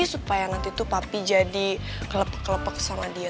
supaya nanti tuh papi jadi kelepek kelepek sama dia